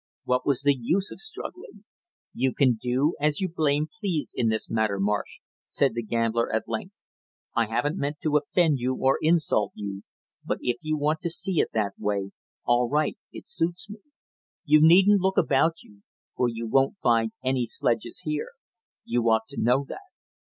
What was the use of struggling? "You can do as you blame please in this matter, Marsh," said the gambler at length. "I haven't meant to offend you or insult you, but if you want to see it that way all right, it suits me. You needn't look about you, for you won't find any sledges here; you ought to know that."